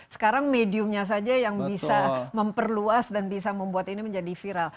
sekarang mediumnya saja yang bisa memperluas dan bisa membuat ini menjadi viral